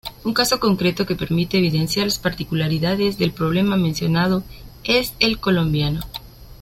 Un caso concreto que permite evidenciar las particularidades del problema mencionado es el colombiano.